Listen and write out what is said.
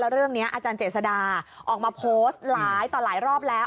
เรื่องนี้อาจารย์เจษดาออกมาโพสต์หลายต่อหลายรอบแล้ว